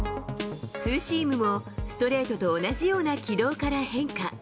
ツーシームも、ストレートと同じような軌道から変化。